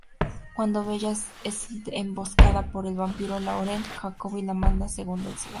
Cuando Bella es emboscada por el vampiro Laurent, Jacob y la manada la salvan.